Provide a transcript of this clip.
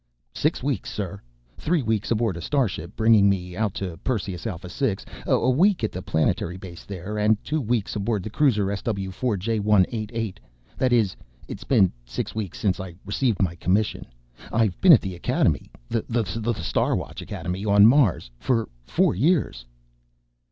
"Six weeks, sir. Three weeks aboard a starship bringing me out to Perseus Alpha VI, a week at the planetary base there, and two weeks aboard the cruiser SW4 J188. That is, it's been six weeks since I received my commission. I've been at the Academy ... the Star Watch Academy on Mars ... for four years."